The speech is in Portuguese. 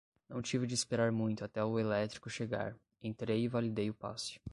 Não tive de esperar muito até o elétrico chegar. Entrei e validei o passe.